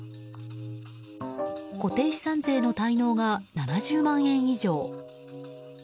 固定資産税の滞納が７０万円以上。